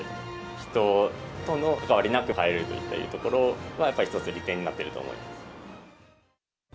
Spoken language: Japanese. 人との関わりなく買えるというところは、やっぱり一つ利点になっていると思います。